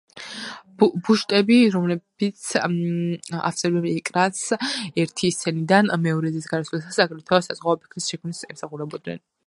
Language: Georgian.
ბუშტები, რომლებიც ავსებენ ეკრანს ერთი სცენიდან მეორეზე გადასვლისას აგრეთვე საზღვაო ეფექტის შექმნას ემსახურებიან.